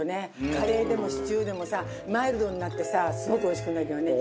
カレーでもシチューでもさマイルドになってさすごくおいしくなるからね。